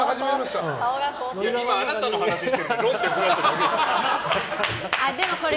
今あなたの話してる。